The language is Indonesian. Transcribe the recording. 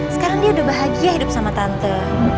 sekarang dia udah bahagia hidup sama tante